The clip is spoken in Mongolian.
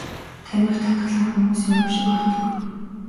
Тамхи татахлаар хүмүүсийн уушиг хордог.